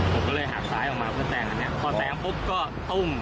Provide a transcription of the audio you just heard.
ผมก็เลยหักซ้ายออกมาเพื่อแซงอันนี้พอแซงปุ๊บก็ตุ้ม